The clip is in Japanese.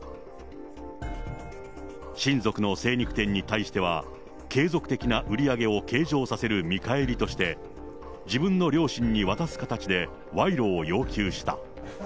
親族の精肉店に対しては、継続的な売り上げを計上させる見返りとして、自分の両親に渡す形で、賄賂を要求した。